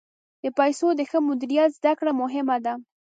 د پیسو د ښه مدیریت زده کړه مهمه ده.